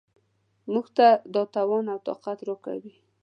موږ ته دا توان او طاقت راکوي.